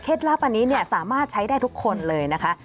เคล็ดลับอันนี้สามารถใช้ได้ทุกคนเลยนะคะ